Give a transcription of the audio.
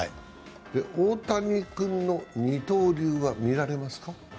大谷君の二刀流は見られますか？